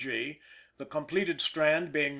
G., the completed strand being No.